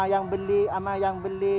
yang beli sama yang beli